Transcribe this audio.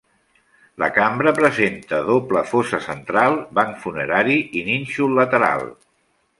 La cambra presenta doble fossa central, banc funerari i nínxol lateral.